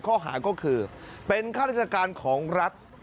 ข้อหาก็คือเป็นฆาติศักดิ์การของรัฐ